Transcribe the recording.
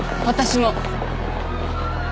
私も。